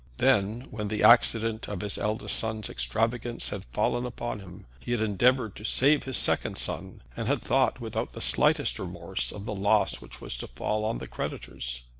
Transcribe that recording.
Then, when the accident of his eldest son's extravagance had fallen upon him, he had endeavored to save his second son, and had thought, without the slightest remorse, of the loss which was to fall on the creditors.